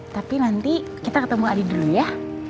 tapi nanti kita ketemu adi dulu ya